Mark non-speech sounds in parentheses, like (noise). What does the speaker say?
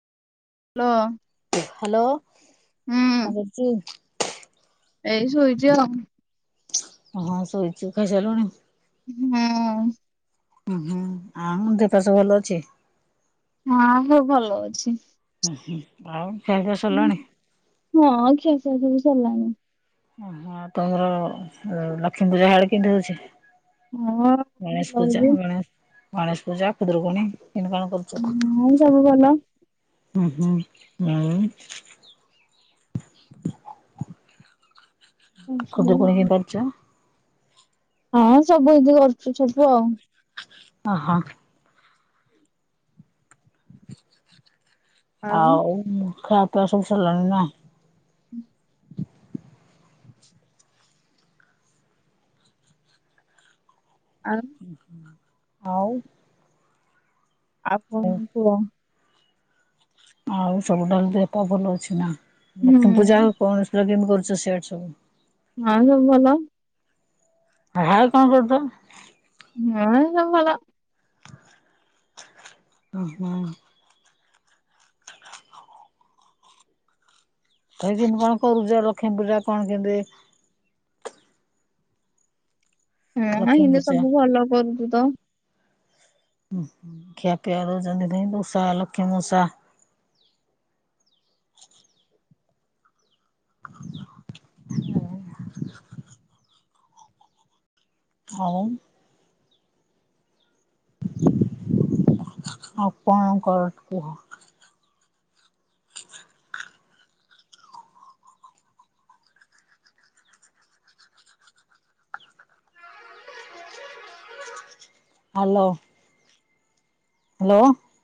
Hello hello ହୁଁ (unintelligible) ଏଇ ଶୋଇଛି ଆଉ ହଁ ହଁ ଶୋଇଛୁ ଖାଇସାରିଲୁଣି। ହଁ। ହୁଁ ହୁଁ ଆଉ ଦେ ପା ସବ ଭଲ ଅଛି? ହଁ ହଉ ଭଲ ଅଛି। ହୁଁ ହୁଁ ଆଉ ଖାଇବା ସରିଲାଣି? ହଁ ଖିଆ ସିଆ ସବୁ ସରିଲାଣି। ଓହୋ ତମର ଲକ୍ଷ୍ମୀ ପୂଜା ହାଡ କେମିତି ହଉଛି? ହଁ ଭଲ ଗଣେଶ ପୂଜା ହଉଛି। ଗଣେଶ ଗଣେଶ ପୂଜା କୁଦୁରୁକୁଣୀ ଏନ କଣ କରୁଛ? ହଁ ସବୁ ଭଲ। ହୁଁ ହୁଁ ଆଉ (unintelligible) ପାରୁଛ ହଁ ସବୁ ଏ ଯଉ କରୁଛୁ ସବୁ ଆଉ ହଁ ହଁ। ଆଉ ଖାଇବା ପିବା ସବୁ ସରିଲାଣି ନା। ହୁଁ। ଆଉ ଆଉ ଆଉ କଣ କୁହ? ଆଉ ସବୁ ତ ଦେହ ଭଲ ଅଛି ନା, ହୁଁ ଲକ୍ଷ୍ମୀ ପୂଜା ଆଉ କଣ (inaudible) ସବୁ ହଁ ଆଉ ସବୁ ଭଲ। ହଁ, ଆଉ କଣ କରୁଛ? ହଁ ସବୁ ଭଲ। ହୁଁ ହୁଁ। ଇମତି କଣ କରୁଛ, ଲକ୍ଷ୍ମୀ ପୂଜା କଣ କେମିତି ହଁ ଲକ୍ଷ୍ମୀ ହେନା ପୂଜା ସବୁ ଭଲ କରୁଛୁ ତ। ଖିଆ ପିଆ ଦେଉଛନ୍ତି, ଧଇଁ ଦୂଷା ଲକ୍ଷ୍ମୀ ମୂଷା। (inaudible) (inaudible) ଆଉ ଆପଣଙ୍କର କୁହ। ହ୍ୟାଲୋ। ହାଲୋ।